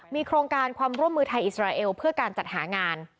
มีโครงการความร่วมมือไทยอิสราเอลเพื่อการจัดหางาน